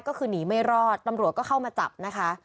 ก็คือหนีไม่รอดตำรวจก็เข้ามาจับนะคะ